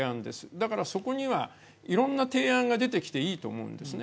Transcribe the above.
だからそこには、いろんな提案が出てきていいと思うんですね。